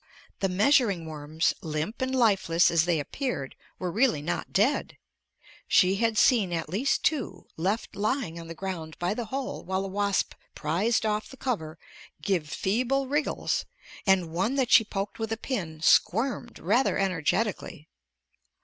The measuring worms, limp and lifeless as they appeared, were really not dead! She had seen at least two, left lying on the ground by the hole while the wasp prized off the cover, give feeble wriggles, and one that she poked with a pin squirmed rather energetically.